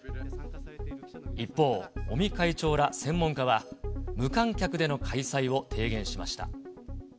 一方、尾身会長ら専門家は、無観客での開催を提言しました。